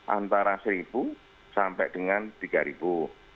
antara seribu sampai dengan tiga ribu